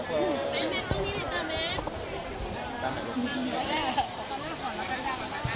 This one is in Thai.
คุณบอกแฟนมันแบบไรนะครับ